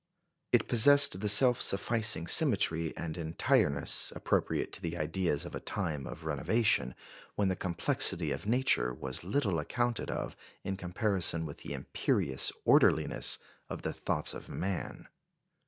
It possessed the self sufficing symmetry and entireness appropriate to the ideas of a time of renovation, when the complexity of nature was little accounted of in comparison with the imperious orderliness of the thoughts of man.